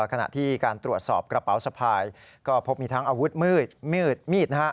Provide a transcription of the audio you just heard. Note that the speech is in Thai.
ขณะที่การตรวจสอบกระเป๋าสะพายก็พบมีทั้งอาวุธมืดมืดมีด